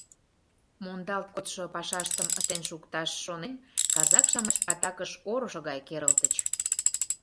Мондалт кодшо пашаштым ыштен шукташ шонен, казак-шамыч атакыш орышо гай керылтыч.